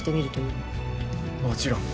もちろん。